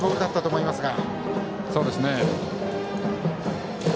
そうですね。